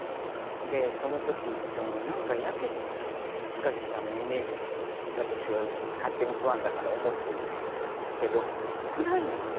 そのときなんかやけに塚地さんのイメージ勝手にファンだからいたけど暗いのよね